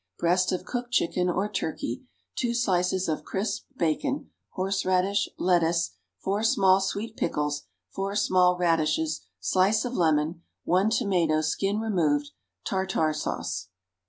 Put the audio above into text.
Breast of cooked chicken, or turkey. Two slices of crisp bacon. Horseradish. Lettuce. 4 small sweet pickles. 4 small radishes. Slice of lemon. 1 tomato, skin removed. Tartare sauce.